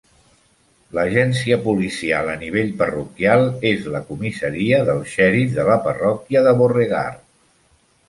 L'agència policial a nivell parroquial és la comissaria del xèrif de la parròquia de Beauregard.